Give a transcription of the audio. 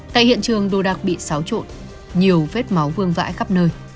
tại hiện trường đồ đạc bị xáo trộn nhiều vết máu vương vãi khắp nơi